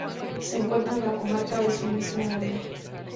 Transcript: Se encuentra en la comarca de su mismo nombre.